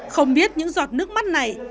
không biết những giọt nước mắt này